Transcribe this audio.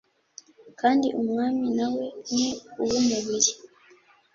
kandi Umwami na we ni uw umubiri